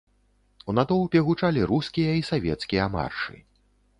У натоўпе гучалі рускія і савецкія маршы.